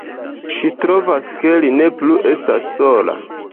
Ŝi trovas, ke li ne plu estas sola.